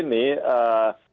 dan itu memang sangat susah